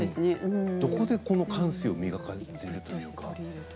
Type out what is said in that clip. どこでこの感性を磨かれるというか。